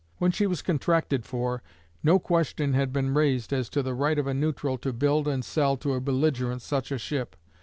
When she was contracted for no question had been raised as to the right of a neutral to build and sell to a belligerent such a ship.